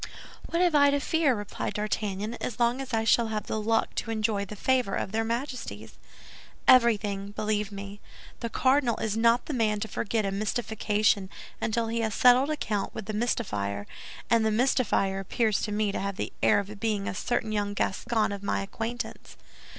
"What have I to fear," replied D'Artagnan, "as long as I shall have the luck to enjoy the favor of their Majesties?" "Everything, believe me. The cardinal is not the man to forget a mystification until he has settled account with the mystifier; and the mystifier appears to me to have the air of being a certain young Gascon of my acquaintance."